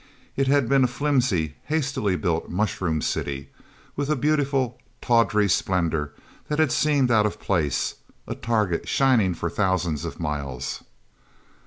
It had been a flimsy, hastily built mushroom city, with a beautiful, tawdry splendor that had seemed out of place, a target shining for thousands of miles.